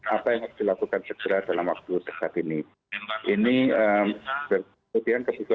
apa yang harus dilakukan segera dalam waktu tersebut